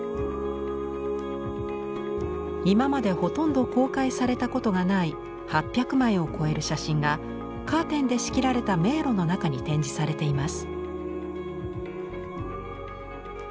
今までほとんど公開されたことがない８００枚を超える写真がカーテンで仕切られた迷路の中に展示されています。